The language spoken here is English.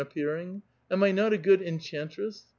169 appearing. Am I not a good enchantress?